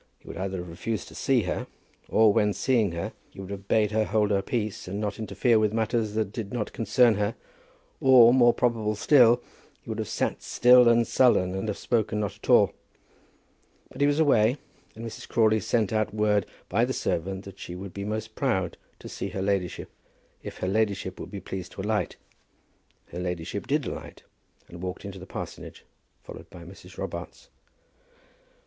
He would either have refused to see her, or when seeing her he would have bade her hold her peace and not interfere with matters which did not concern her, or, more probable still, he would have sat still and sullen, and have spoken not at all. But he was away, and Mrs. Crawley sent out word by the servant that she would be most proud to see her ladyship, if her ladyship would be pleased to alight. Her ladyship did alight, and walked into the parsonage, followed by Mrs. Robarts.